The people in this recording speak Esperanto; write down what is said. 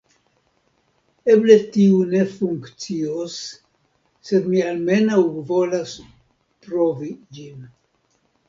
Eble tiu ne funkcios sed mi almenaŭ volas provi ĝin